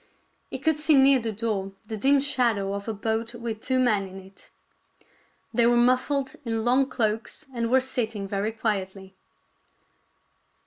He could see near the door the dim shadow of a boat with two men in it. They were mufHed in long cloaks and were sitting very quietly.